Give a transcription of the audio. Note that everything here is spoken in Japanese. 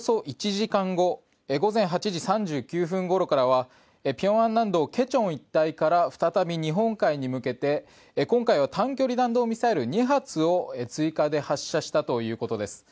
１時間後午前８時３９分ごろからは平安南道の价川一帯から再び日本海に向けて今回は短距離弾道ミサイル２発を追加で発射したということです。